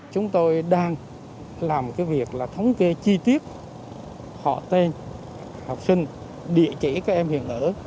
chúng tôi đang làm cái việc là thống kê chi tiết họ tên học sinh địa chỉ các em hiện ở